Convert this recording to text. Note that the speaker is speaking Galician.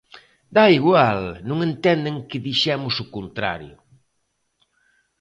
¡Dá igual, non entenden que dixemos o contrario!